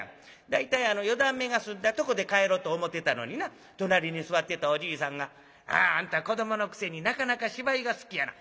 大体あの四段目が済んだとこで帰ろうと思ってたのにな隣に座ってたおじいさんが『あんた子どものくせになかなか芝居が好きやな。